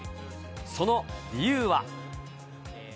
その理由は。